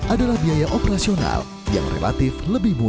adalah biaya operasional yang relatif lebih murah